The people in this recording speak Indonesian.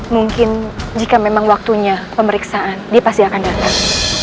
mungkin jika memang waktunya pemeriksaan dia pasti akan datang